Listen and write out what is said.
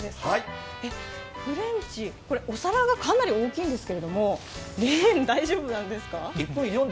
これ、お皿がかなり大きいんですけど、レーン大丈夫なんですか。